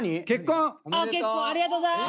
ありがとうございます。